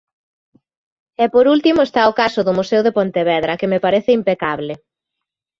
E por último está o caso do Museo de Pontevedra, que me parece impecábel.